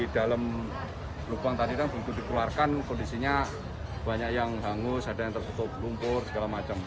di dalam lubang tadi kan begitu dikeluarkan kondisinya banyak yang hangus ada yang tertutup lumpur segala macam